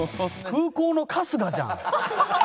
空港の春日じゃん。